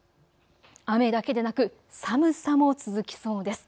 雨だけでなく寒さも続きそうです。